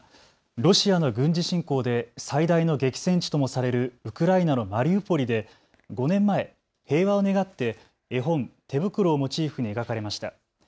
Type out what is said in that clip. ロシアの軍事侵攻で最大の激戦地ともされるウクライナのマリウポリで５年前、平和を願って絵本、てぶくろをモチーフに描かれました。